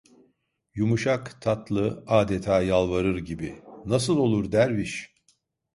Yumuşak, tatlı, adeta yalvarır gibi: "Nasıl olur derviş?"